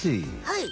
はい。